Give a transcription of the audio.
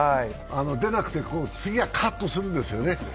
出なくて、次はカッとするんですよね。